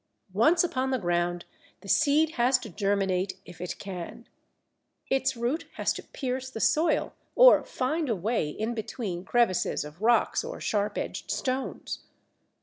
Once upon the ground, the seed has to germinate if it can; its root has to pierce the soil or find a way in between crevices of rocks or sharp edged stones.